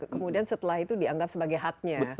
kemudian setelah itu dianggap sebagai haknya